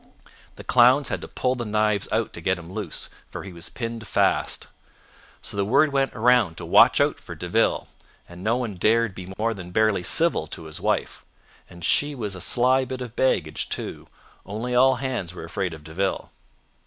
"The clowns had to pull the knives out to get him loose, for he was pinned fast. So the word went around to watch out for De Ville, and no one dared be more than barely civil to his wife. And she was a sly bit of baggage, too, only all hands were afraid of De Ville.